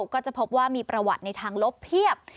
ก็จะพบว่ามีประวัติในทางลบเพียบ